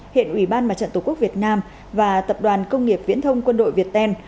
hiện ủy ban mặt trận tổ quốc việt nam và tập đoàn công nghiệp viễn thông quân đội việt tên